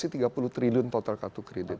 tapi transaksi tiga puluh triliun total kartu kredit